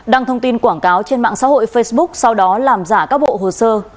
đăng thông tin quảng cáo trên mạng xã hội facebook sau đó làm giả các bộ hồ sơ